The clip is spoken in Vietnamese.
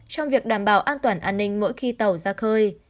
trong việc đảm bảo an toàn an ninh mỗi khi tàu ra khơi